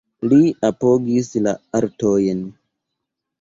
Li apogis la artojn.